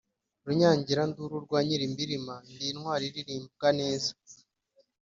Runyagiranduru rwa Nyilimbirima, ndi intwali ilirimbwa neza